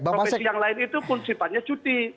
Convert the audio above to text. profesi yang lain itu pun sifatnya cuti